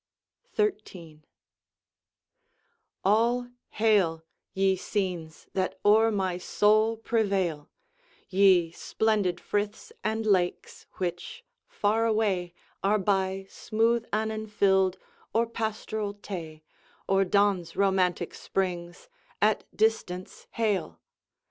XIII All hail, ye scenes that o'er my soul prevail, Ye [splendid] friths and lakes which, far away, Are by smooth Annan fill'd, or pastoral Tay, Or Don's romantic springs; at distance, hail!